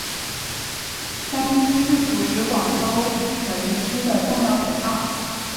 甘溪是古时广州城区的重要水道。